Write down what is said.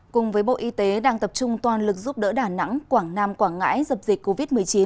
cùng với bộ y tế đang tập trung toàn lực giúp đỡ đà nẵng quảng nam quảng ngãi dập dịch covid một mươi chín